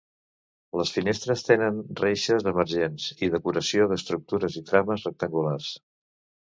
Les finestres tenen reixes emergents i decoració d'estructures i trames rectangulars.